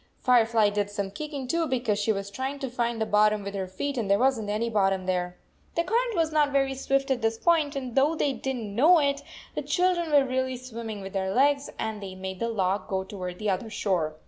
Firefly did some kicking, too, because she was trying to find the bot tom with her feet and there wasn t any bottom there. The current was not very swift at this point, and though they did n t know it, the children were really swimming with their legs, and they made the log go toward the other shore.